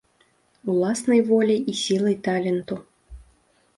Уласнай воляй і сілай таленту.